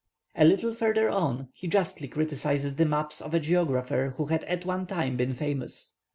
A little further on he justly criticizes the maps of a geographer who had at one time been famous.